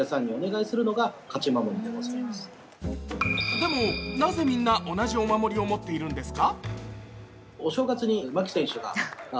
でもなぜみんな同じ御守を持っているんですか？